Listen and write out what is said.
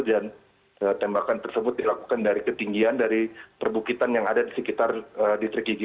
dan tembakan tersebut dilakukan dari ketinggian dari perbukitan yang ada di sekitar distrik yigi